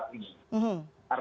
selama hampir satu bulan